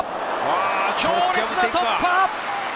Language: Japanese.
強烈な突破！